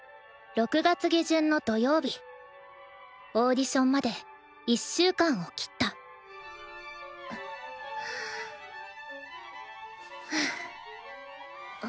６月下旬の土曜日オーディションまで１週間を切ったふう。